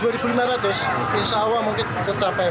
ya dua lima ratus insya allah mungkin tercapai